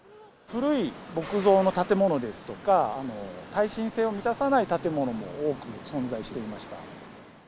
古い木造の建物ですとか、耐震性を満たさない建物も多く存在していました。